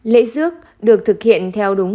lễ rước được thực hiện theo đúng